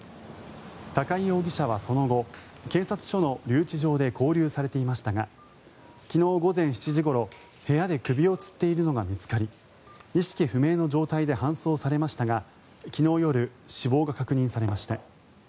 高井容疑者はその後警察署の留置場で勾留されていましたが昨日午前７時ごろ、部屋で首をつっているのが見つかり意識不明の状態で搬送されましたが昨日夜、死亡が確認されました。